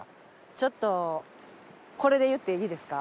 ちょっとこれで言っていいですか？